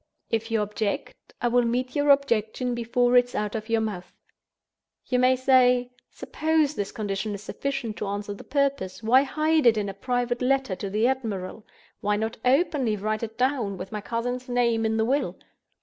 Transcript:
If you object, I will meet your objection before it is out of your mouth. You may say: Suppose this condition is sufficient to answer the purpose, why hide it in a private letter to the admiral? Why not openly write it down, with my cousin's name, in the will?